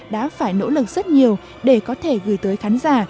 đã phải nỗ lực rất nhiều để có thể gửi tới khán giả